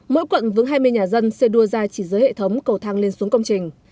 mỗi quận vướng hai mươi nhà dân xe đua ra chỉ dưới hệ thống cầu thang lên xuống công trình